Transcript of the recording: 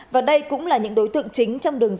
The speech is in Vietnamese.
và đây cũng là những đối tượng chính trong đường dây